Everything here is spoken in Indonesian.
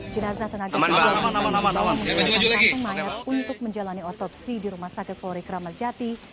jenazah tenaga tersebut menjelaskan mayat untuk menjalani otopsi di rumah sakit korek ramadjati